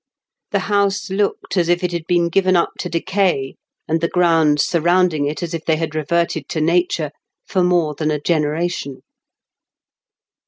The house looked as if it had been given up to decay, and the grounds surrounding it as if they had reverted to nature, for more than a generation.